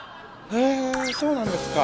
へえそうなんですか。